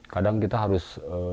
kadang kita harus